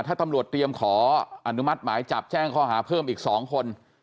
ถ้าตำรวจเตรียมขออนุมัติหมายจับแจ้งข้อหาเพิ่มอีก๒คน